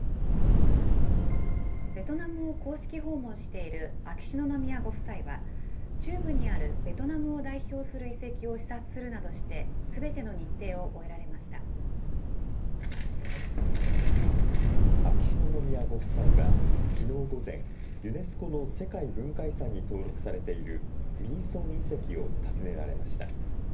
ベトナムを公式訪問している秋篠宮ご夫妻は、中部にあるベトナムを代表する遺跡を視察するなどしてすべての日程を終えられま秋篠宮ご夫妻はきのう午前、ユネスコの世界文化遺産に登録されているミーソン遺跡を訪ねられました。